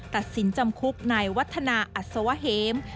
ตัดสินจำคุกในวัฒนาอัศวะเหม